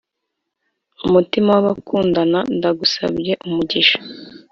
Umutima wabakundana Ndagusabye umugisha